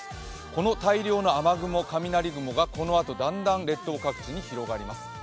この大量の雨雲、雷雲がこのあとだんだん列島各地に広がります。